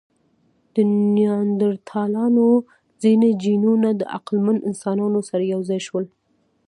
د نیاندرتالانو ځینې جینونه د عقلمن انسانانو سره یو ځای شول.